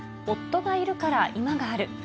夫がいるから今がある。